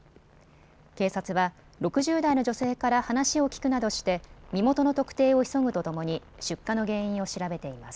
警察は６０代の女性から話を聞くなどして身元の特定を急ぐとともに出火の原因を調べています。